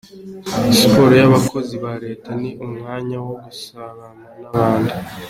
Siporo y’abakozi ba Leta ni umwanya wo gusabana n’abandi